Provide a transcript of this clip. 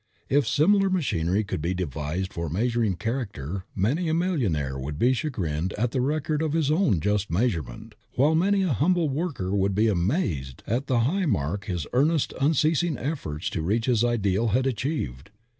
If similar machinery could be devised for measuring character many a millionaire would be chagrined at the record of his own just measurement, while many an humble worker would be amazed at the high mark his earnest unceasing efforts to reach his ideal had achieved.